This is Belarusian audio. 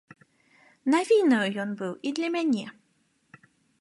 Навіною ён быў і для мяне.